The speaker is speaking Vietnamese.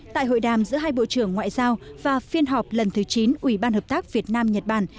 tại hội đàm giữa hai bộ trưởng ngoại giao và phiên họp lần thứ chín ủy ban hợp tác việt nam nhật bản